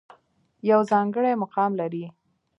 يو ځانګړے مقام لري